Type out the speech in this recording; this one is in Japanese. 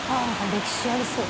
歴史ありそう。